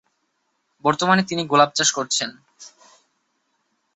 বর্তমানে তিনি গোলাপ চাষ করছেন।